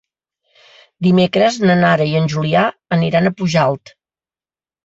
Dimecres na Nara i en Julià aniran a Pujalt.